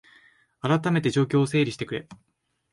あらためて状況を整理してくれ